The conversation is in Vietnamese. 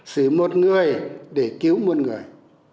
xử một người để cứu muôn người